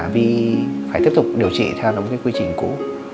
vi phải tiếp tục điều trị theo những cái quy trình cũ